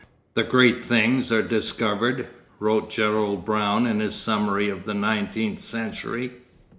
'The great things are discovered,' wrote Gerald Brown in his summary of the nineteenth century.